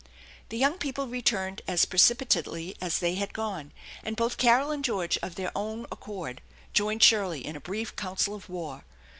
The young people returned as precipitately as they had gone, and both Carol and George of their own accord joined Shirley in a brief council of war.